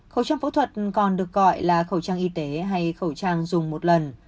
khẩu trang phẫu thuật còn được gọi là khẩu trang y tế hay khẩu trang dùng một lần